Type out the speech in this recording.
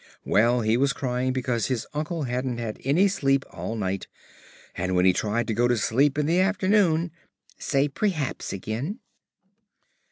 Well, he was crying because his Uncle hadn't had any sleep all night, and when he tried to go to sleep in the afternoon " "Say prehaps again."